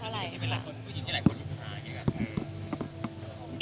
แล้วชีวิตที่เป็นหลายคนผู้หญิงที่หลายคนอิจฉาอย่างนี้ค่ะ